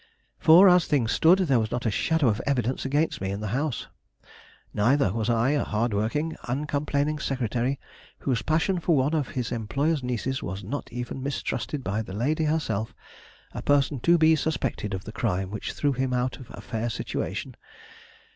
For as things stood, there was not a shadow of evidence against me in the house; neither was I, a hard working, uncomplaining secretary, whose passion for one of his employer's nieces was not even mistrusted by the lady herself, a person to be suspected of the crime which threw him out of a fair situation.